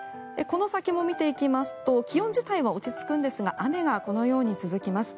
この先も見ていきますと気温自体は落ち着くんですが雨がこのように続きます。